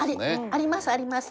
ありますあります。